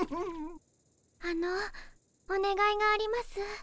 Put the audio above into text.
あのおねがいがあります。